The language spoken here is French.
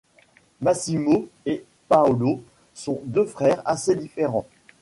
Massimo et Paolo sont deux frères assez différents.